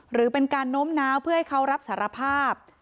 หรือเป็นการโน้มน้าวเพื่อให้เขารับสารภาพ